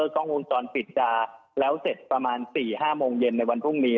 กล้องมืองตอนปิดจาแล้วเสร็จประมาณสี่ห้าโมงเย็นในวันพรุ่งนี้